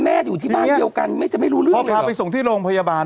อยู่ที่บ้านเดียวกันไม่จะไม่รู้เรื่องเลยพาไปส่งที่โรงพยาบาล